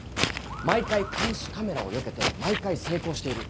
毎回監視カメラをよけて毎回成功している。